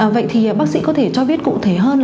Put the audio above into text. vậy thì bác sĩ có thể cho biết cụ thể hơn